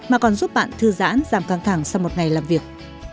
mà còn giúp bạn thư giãn giảm căng thẳng sau một ngày làm việc